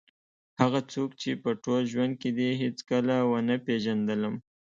هغه څوک چې په ټول ژوند کې دې هېڅکله ونه پېژندلم.